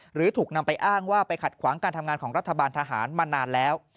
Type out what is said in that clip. หรือถูกนำไปอ้างว่าไปขัดขวางการทำงานของรัฐบาลทหารมานานแล้ว